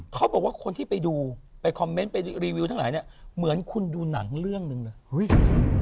เขาบอกว่าคนที่ไปดูไปคอมเมนต์ไปรีวิวทั้งหลายเนี่ยเหมือนคุณดูหนังเรื่องหนึ่งเลยอุ้ย